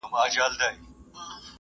له نسیم سره له څانګو تویېدلای !.